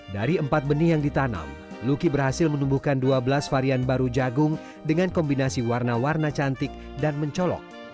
dari empat benih yang ditanam lucky berhasil menumbuhkan dua belas varian baru jagung dengan kombinasi warna warna cantik dan mencolok